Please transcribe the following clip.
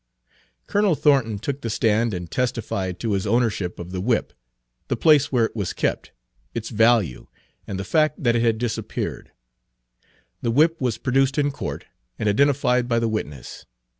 Colonel Thornton took the stand and testified to his ownership of the whip, the place where it was kept, its value, and the fact that it had disappeared. The whip was produced in court and identified by the witness.